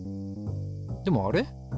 でもあれ？